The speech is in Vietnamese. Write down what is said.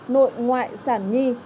nội ngoại sản nhi